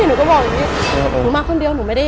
หนูก็บอกอย่างนี้หนูมาคนเดียว